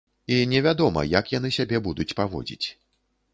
І невядома, як яны сябе будуць паводзіць.